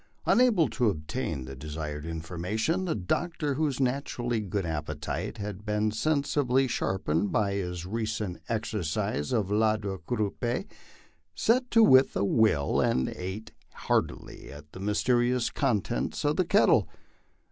Unable to obtain the desired information, the Doctor, whose naturally good appetite had been sensibly sharpened by his re cent exercise a la quadrupede, set to with a will and ate heartily of the myste rious contents of the kettle.